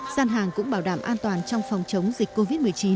gian hàng cũng bảo đảm an toàn trong phòng chống dịch covid một mươi chín